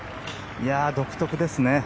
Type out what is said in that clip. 独特ですね。